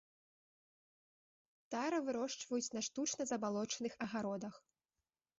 Тара вырошчваюць на штучна забалочаных агародах.